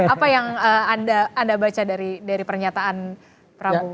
apa yang anda baca dari pernyataan prabowo